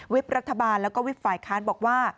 รัฐบาลแล้วก็วิบฝ่ายค้านบอกว่า